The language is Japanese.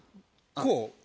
こう？